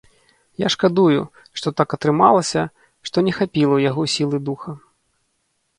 Я шкадую, што так атрымалася, што не хапіла ў яго сілы духа.